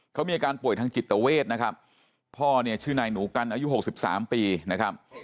เขามีอาการป่วยทางจิตเวทนะครับพ่อเนี่ยชื่อนายหนูกันอายุหกสิบสามปีนะครับ